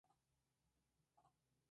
Destaca el escudo nobiliario en la fachada.